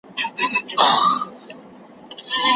زوی بازار ته ځي.